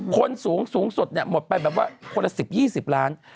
คนสูงสุดหมดไปแบบว่าคนละ๑๐๒๐ล้าน